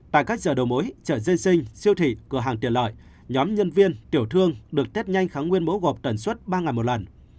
tại các giờ đầu mối chợ dân sinh siêu thị cửa hàng tiền lợi nhóm nhân viên tiểu thương được tết nhanh kháng nguyên mẫu gộp tần suất ba ngày một lần